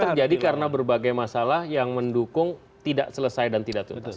itu terjadi karena berbagai masalah yang mendukung tidak selesai dan tidak tuntas